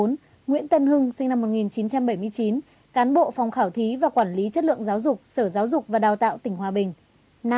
bốn nguyễn tân hưng sinh năm một nghìn chín trăm bảy mươi chín cán bộ phòng khảo thí và quản lý chất lượng giáo dục sở giáo dục và đào tạo tỉnh hòa bình